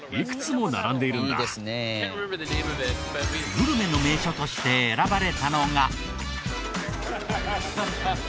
グルメの名所として選ばれたのが。